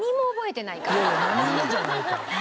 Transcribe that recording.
いやいや何もじゃないから。